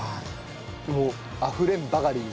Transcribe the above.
もうあふれんばかりに。